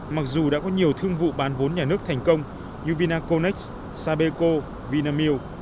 mặc dù đã có nhiều thương vụ bán vốn nhà nước thành công như vinaconex sabeco vinamilk